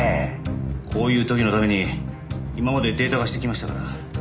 こういう時のために今までデータ化してきましたから。